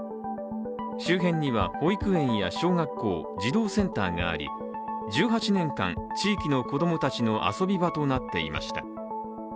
周辺には保育園や小学校、児童センターがあり１８年間、地域の子供たちの遊び場となっていました。